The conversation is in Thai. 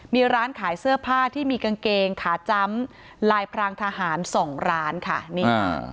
มีร้านขายเสื้อผ้าที่มีกางเกงขาจำลายพรางทหารสองร้านค่ะนี่ค่ะ